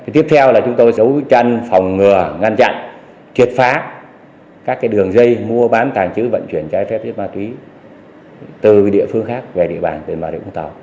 tiếp theo là chúng tôi giấu chân phòng ngừa ngăn chặn kiệt phá các đường dây mua bán tài chứ vận chuyển trái phép chất ma túy từ địa phương khác về địa bàn về vào địa phương tàu